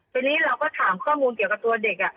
ทีนี้เราก็ถามข้อมูลเกี่ยวกับตัวเด็ก